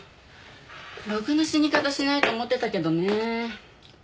ろくな死に方しないと思ってたけどね。